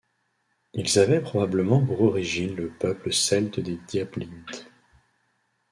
Ils avaient probablement pour origine le peuple celte des Diablintes.